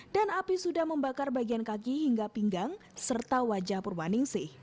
dan api sudah membakar bagian kaki hingga pinggang serta wajah purwaningsih